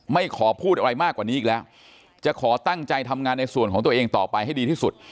ไม่ขอพูดอะไรมากกว่านี้อีกแล้วจะขอตั้งใจทำงานในส่วนของตัวเองต่อไปให้ดีที่สุด